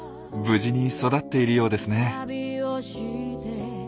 無事に育っているようですね。